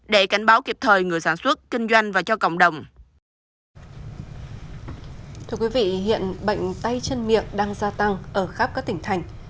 thưa quý vị hiện bệnh tay chân miệng đang gia tăng ở khắp các tỉnh thành